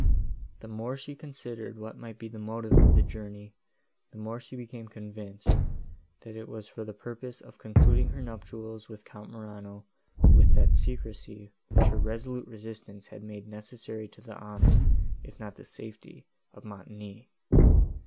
—The more she considered what might be the motive of the journey, the more she became convinced, that it was for the purpose of concluding her nuptials with Count Morano, with that secrecy, which her resolute resistance had made necessary to the honour, if not to the safety, of Montoni.